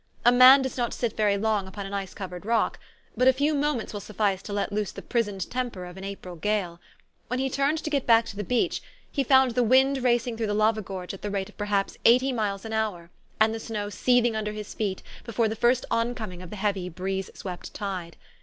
A man does not sit very long upon an ice covered rock ; but a few moments will suffice to let loose the prisoned temper of an April gale. When he turned to get back to the beach, he found the wind racing through the lava gorge at the rate of perhaps eighty miles an hour, and the snow seeth ing under his feet before the first oncoming of the heavj^, breeze swept tide.